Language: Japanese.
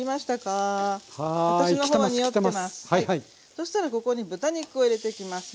そしたらここに豚肉を入れていきます。